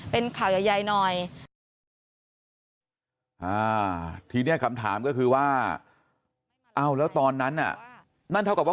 เป็นข่าวใหญ่หน่อยทีนี้คำถามก็คือว่าเอาแล้วตอนนั้นนั่นเท่ากับว่า